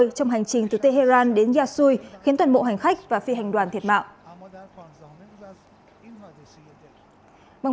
trong hành trình từ tehran đến yasui khiến toàn bộ hành khách và phi hành đoàn thiệt mạng